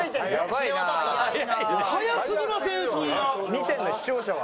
見てんのよ視聴者は。